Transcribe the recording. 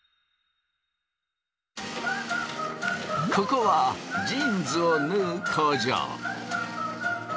ここはジーンズを縫う工場。